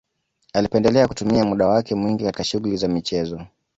Alipendelea kutumia muda wake mwingi katika shughuli za michezo